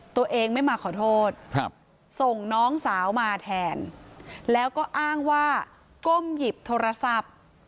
ตัวเองไม่มาขอโทษส่งน้องสาวมาแทนแล้วก็อ้างว่าก้มหยิบโทรศัพท์